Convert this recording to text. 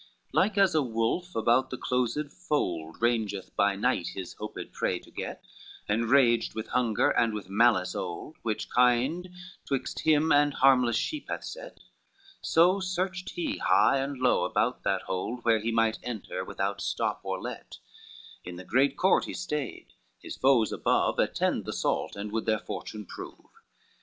XXXV Like as a wolf about the closed fold Rangeth by night his hoped prey to get, Enraged with hunger and with malice old Which kind 'twixt him and harmless sheep hath set: So searched he high and low about that hold, Where he might enter without stop or let, In the great court he stayed, his foes above Attend the assault, and would their fortune prove.